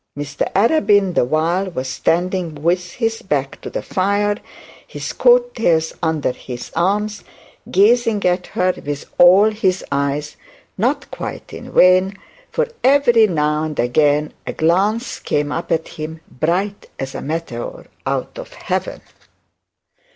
Mr Arabin the while was standing with his back to the fire, his coat tails under his arms, gazing at her with all his eyes not quite in vain, for every now and again a glance came up at him, bright as a meteor out of heaven.